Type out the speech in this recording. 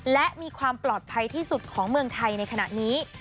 และมีความปลอดภัยที่สุดของเมืองไทยในขณะนี้